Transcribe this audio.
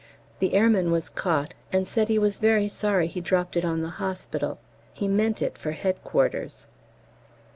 The airman was caught, and said he was very sorry he dropped it on the hospital; he meant it for Headquarters.